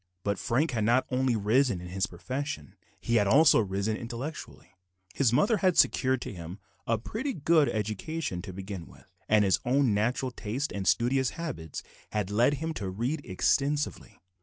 But Frank had not only risen in his profession; he had also risen intellectually. His mother had secured to him a pretty good education to begin with, and his own natural taste and studious habits had led him to read extensively.